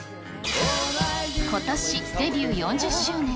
ことしデビュー４０周年。